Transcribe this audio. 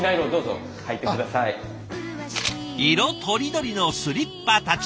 色とりどりのスリッパたち。